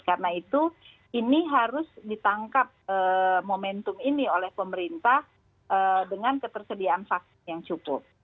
karena itu ini harus ditangkap momentum ini oleh pemerintah dengan ketersediaan vaksin yang cukup